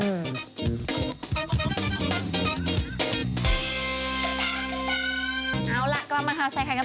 เอาล่ะกลัวมาถ่ายไข่กะต่อ